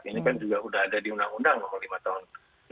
ini kan juga sudah ada di undang undang nomor lima tahun dua ribu dua